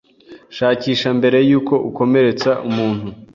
Shakisha mbere yuko akomeretsa umuntu.